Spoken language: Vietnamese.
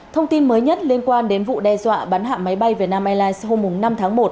thông tin mới nhất liên quan đến vụ đe dọa bắn hạ máy bay vietnam airlines hôm năm tháng một